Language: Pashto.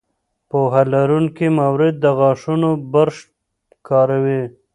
پوهه لرونکې مور د غاښونو برش کاروي.